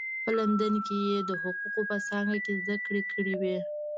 په لندن کې یې د حقوقو په څانګه کې زده کړې کړې وې.